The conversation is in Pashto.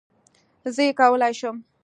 زه یې کولای شم